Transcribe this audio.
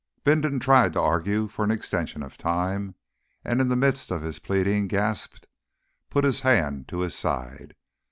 Bindon tried to argue for an extension of time, and in the midst of his pleading gasped, put his hand to his side.